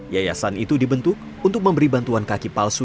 yayasan itu dibentuk untuk memberi bantuan kaki palsu